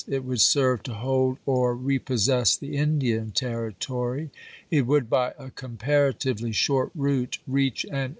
It would serve to hold or repossess the Indian Territory. It would, by a comparatively short route, reach and Vol. v.